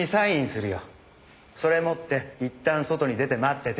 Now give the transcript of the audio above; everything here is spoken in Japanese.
それ持っていったん外に出て待ってて。